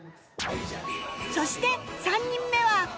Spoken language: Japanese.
そして３人目は